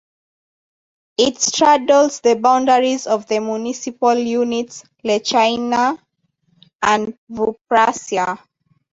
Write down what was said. It straddles the boundaries of the municipal units Lechaina and Vouprasia.